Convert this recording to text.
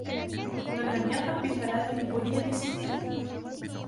مَنْ لَمْ يَرْغَبْ بِثَلَاثٍ بُلِيَ بِسِتٍّ